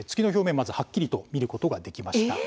まずはっきりと見ることができました。